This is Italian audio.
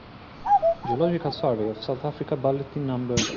Geological Survey of South Africa Bulletin no.